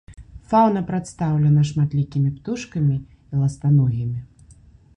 Фаўна прадстаўлена шматлікімі птушкамі і ластаногімі.